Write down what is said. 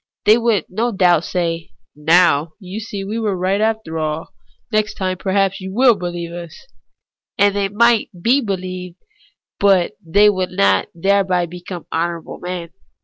They would no doubt say, ' Now you see that we were right after all ; next time perhaps you Avill beheve us.' And they might be believed, but they would not thereby become honourable men.